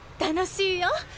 楽しいよ。